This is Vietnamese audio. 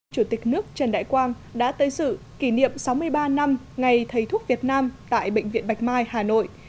chủ tịch nước trần đại quang đã tới sự kỷ niệm sáu mươi ba năm ngày thầy thuốc việt nam tại bệnh viện bạch mai hà nội